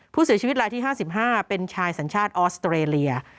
ผู้เสียชีวิตรายที่๕๕เป็นชายสัญชาติออสเตรเลีย